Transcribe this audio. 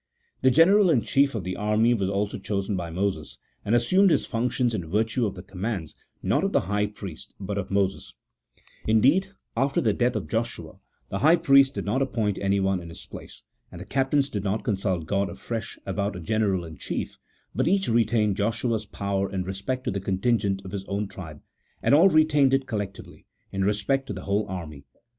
The general in chief of the army was also chosen by Moses, and assumed his functions in virtue of the commands, not of the high priest, but of Moses : in deed, after the death of Joshua, the high priest did not appoint anyone in his place, and the captains did not con sult God afresh about a general in chief, but each retained Joshua's power in respect to the contingent of his own tribe, and all retained it collectively, in respect to the whole army.